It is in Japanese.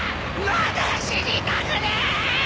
まだ死にたくねえ！